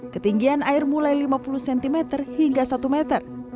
ketinggian air mulai lima puluh cm hingga satu meter